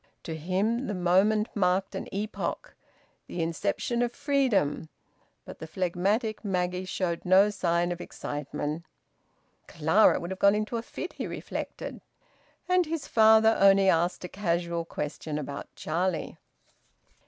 To him the moment marked an epoch, the inception of freedom; but the phlegmatic Maggie showed no sign of excitement ("Clara would have gone into a fit!" he reflected) and his father only asked a casual question about Charlie.